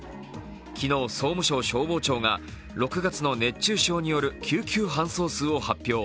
昨日、総務省消防庁が６月の熱中症による救急搬送数を発表。